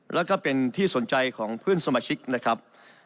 แล้วก็เป็นที่สนใจของเพื่อนสมาชิกนะครับ